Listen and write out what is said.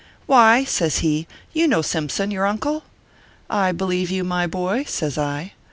"Why," says he, "you know Simpson, your uncle ?"" I believe you, my boy !" says I. ORPHEUS C.